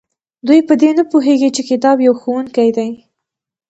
دوی په دې نه پوهیږي چې کتاب یو ښوونکی دی.